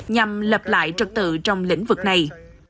nhằm lập lại trật tự trong lĩnh vực này